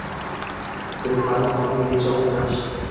Sening har maqoming — nechog’liq tanish!